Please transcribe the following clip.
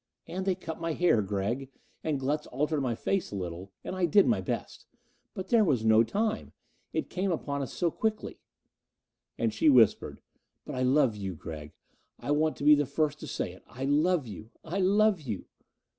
"And they cut my hair, Gregg, and Glutz altered my face a little, and I did my best. But there was no time it came upon us so quickly." And she whispered, "But I love you, Gregg. I want to be the first to say it: I love you I love you."